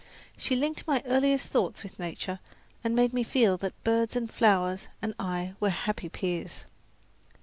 She linked my earliest thoughts with nature, and made me feel that "birds and flowers and I were happy peers."